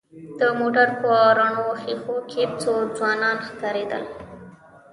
د موټر په رڼو ښېښو کې څو ځوانان ښکارېدل.